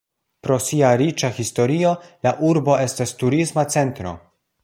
Pro sia riĉa historio, la Urbo estas turisma centro.